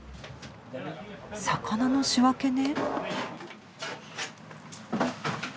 魚の仕分けね。